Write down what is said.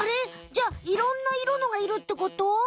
じゃあいろんな色のがいるってこと？